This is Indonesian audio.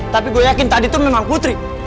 tapi gue yakin tadi tuh memang putri